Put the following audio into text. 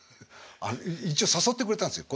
一応誘ってくれたんですよ。